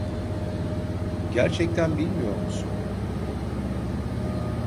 Gerçekten bilmiyor musun?